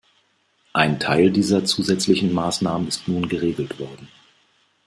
Ein Teil dieser zusätzlichen Maßnahmen ist nun geregelt worden.